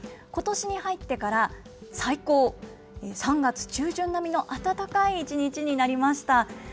ことしに入ってから、最高、３月中旬並みの暖かい一日になりました。